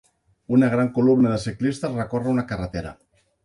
Una gran columna de ciclistes recorre una carretera.